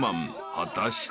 ［果たして？］